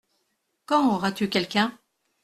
Quand auras-tu quelqu’un ?